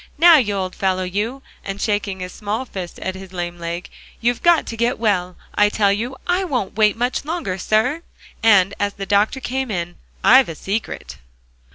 "Now, you old fellow, you," and shaking his small fist at his lame leg, "you've got to get well, I tell you. I won't wait much longer, sir!" And as the doctor came in, "I've a secret."